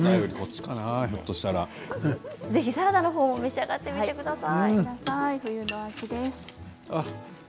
ぜひサラダのほうも召し上がってみてください。